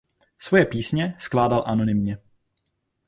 Svoje písně skládal anonymně.